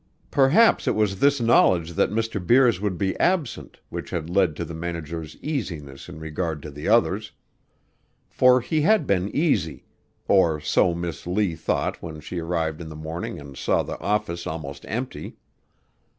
Perhaps it was this knowledge that Mr. Beers would be absent which had led to the manager's easiness in regard to the others. For he had been easy, or so Miss Lee thought when she arrived in the morning and saw the office almost empty.